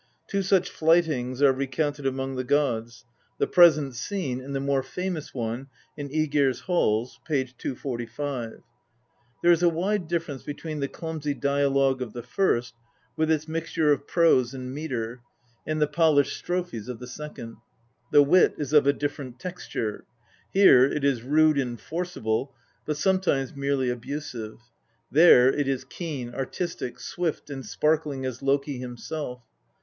Two such flytings are recounted among the gods the present scene, and the more famous one in ^Egir's halls (p. 245). There is a wide difference between the clumsy dialogue of the first with its mixture of prose and metre, and the polished strophes of the second. The wit is of a different texture. Here it is rude and forcible, but sometimes merely abusive ; there it is keen, artistic, swift and sparkling as Loki himself.